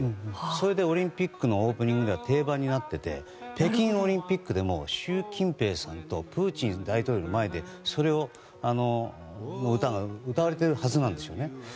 それでオリンピックのオープニングでは定番になっていて北京オリンピックでも習近平さんとプーチン大統領の前でそれを歌われているはずなんですよね。